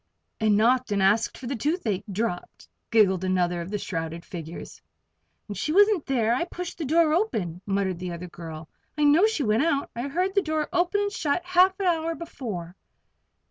"And knocked, and asked for toothache drops," giggled another of the shrouded figures. "And she wasn't there. I pushed the door open," muttered the other girl. "I know she went out. I heard the door open and shut half an hour before."